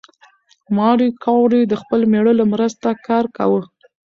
ماري کوري د خپل مېړه له مرسته کار کاوه.